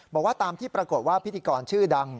บอกว่าตามที่ปรากฏว่าพิธีกรชื่อดัง